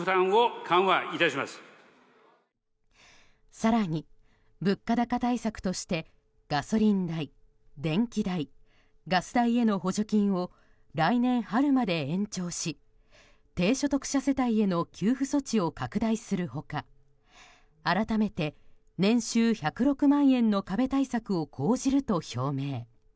更に物価高対策としてガソリン代、電気代ガス代への補助金を来年春まで延長し低所得者世帯への給付措置を拡大する他改めて年収１０６万円の壁対策を講じると表明。